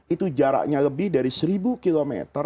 itu jaraknya lebih dari seribu km